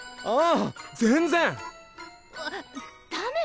ああ！